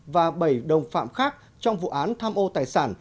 và bảy đồng phạm khác trong vụ án tham ô tài sản